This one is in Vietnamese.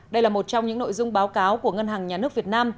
đây là một trong những nội dung báo cáo của ngân hàng nhà nước việt nam